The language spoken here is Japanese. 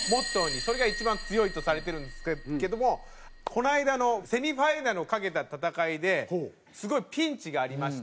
それが一番強いとされてるんですけどもこの間のセミファイナルを懸けた戦いですごいピンチがありまして。